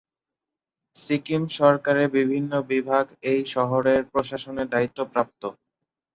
সিকিম সরকারের বিভিন্ন বিভাগ এই শহরের প্রশাসনের দায়িত্বপ্রাপ্ত।